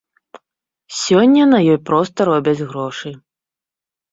Сёння на ёй проста робяць грошы.